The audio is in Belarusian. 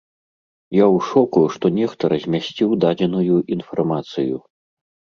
Я ў шоку, што нехта размясціў дадзеную інфармацыю.